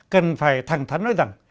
cần phải thẳng thắn nói rằng